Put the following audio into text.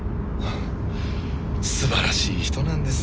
すばらしい人なんですよ。